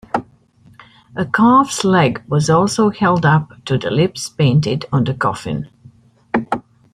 A calf's leg was also held up to the lips painted on the coffin.